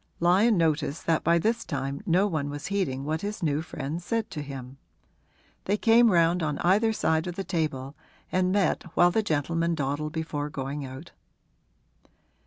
Lyon noticed that by this time no one was heeding what his new friend said to him. They came round on either side of the table and met while the gentlemen dawdled before going out.